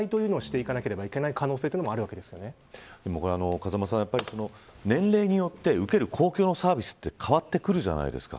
風間さん、年齢によって受ける公共のサービスって変わってくるじゃないですか。